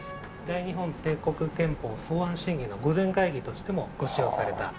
大日本帝国憲法草案審議の御前会議としてもご使用された。